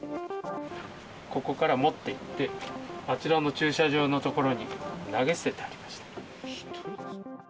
ここから持っていって、あちらの駐車場の所に投げ捨ててありました。